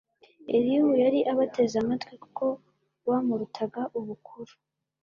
elihu yari abateze amatwi, kuko bamurutaga ubukuru